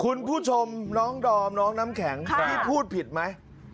คุณผู้ชมน้องดอมน้องน้ำแข็งพี่พูดผิดไหม